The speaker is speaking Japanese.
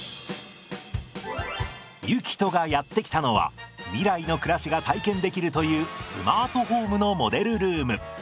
ゆきとがやって来たのは未来の暮らしが体験できるというスマートホームのモデルルーム。